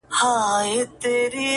• طبیب وویل چي روغه سوې پوهېږم ,